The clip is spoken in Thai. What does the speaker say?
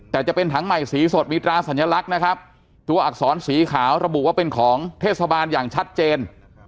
แต่จะเป็นถังใหม่สีสดมีตราสัญลักษณ์นะครับตัวอักษรสีขาวระบุว่าเป็นของเทศบาลอย่างชัดเจน